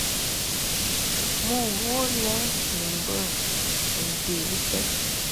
Mo wo lɛ ni mbə I ntelikɛd.